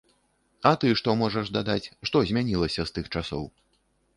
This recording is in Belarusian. А ты што можаш дадаць, што змянілася з тых часоў?